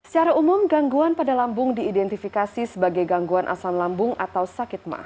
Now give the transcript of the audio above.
secara umum gangguan pada lambung diidentifikasi sebagai gangguan asam lambung atau sakit mah